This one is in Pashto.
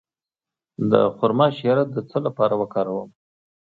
د خرما شیره د څه لپاره وکاروم؟